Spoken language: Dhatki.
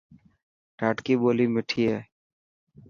ڌاٽڪي ٻولي مٺي هي.